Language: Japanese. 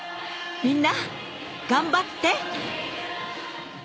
みんな頑張って！